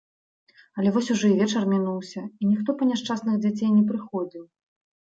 Але вось ужо і вечар мінуўся, і ніхто па няшчасных дзяцей не прыходзіў